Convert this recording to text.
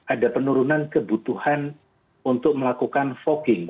ada penurunan kebutuhan untuk melakukan fogging